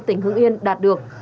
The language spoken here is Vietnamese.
tỉnh hưng yên đạt được